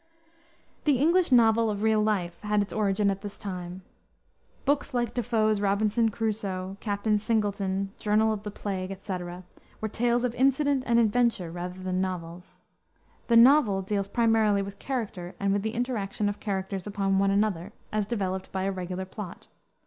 The English novel of real life had its origin at this time. Books like De Foe's Robinson Crusoe, Captain Singleton, Journal of the Plague, etc., were tales of incident and adventure rather than novels. The novel deals primarily with character and with the interaction of characters upon one another, as developed by a regular plot.